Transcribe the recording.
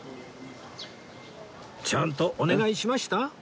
ちゃんとお願いしました？